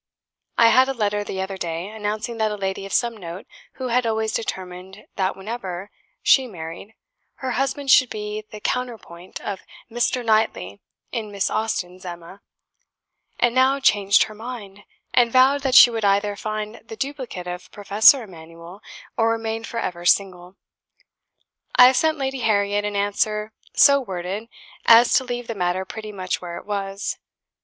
I had a letter the other day; announcing that a lady of some note, who had always determined that whenever she married, her husband should be the counterpart of 'Mr. Knightly' in Miss Austen's 'Emma,' had now changed her mind, and vowed that she would either find the duplicate of Professor Emanuel, or remain for ever single! I have sent Lady Harriette an answer so worded as to leave the matter pretty much where it was.